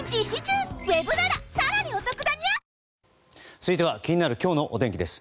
続いては気になる今日のお天気です。